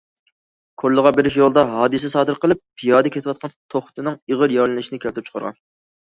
كورلىغا بېرىش يولىدا ھادىسە سادىر قىلىپ، پىيادە كېتىۋاتقان توختىنىڭ ئېغىر يارىلىنىشىنى كەلتۈرۈپ چىقارغان.